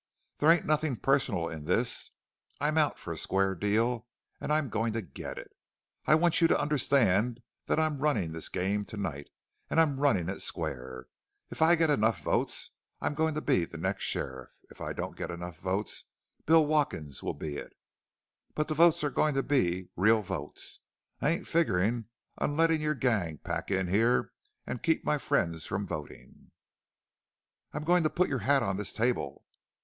There ain't nothing personal in this; I'm out for a square deal and I'm going to get it. I want you to understand that I'm running this game to night and I'm running it square. If I get enough votes I'm going to be the next sheriff. If I don't get enough votes Bill Watkins'll be it. But the votes are going to be real votes. I ain't figuring on letting your gang pack in here and keep my friends from voting. "I'm going to put your hat on this table.